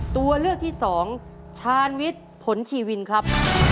ตัวเลือกที่๒ชานวิสผนชอิวินครับ